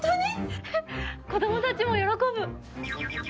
子供たちも喜ぶ！